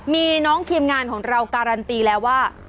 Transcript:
มีน้องทีมงานของเราการันตีแล้วว่า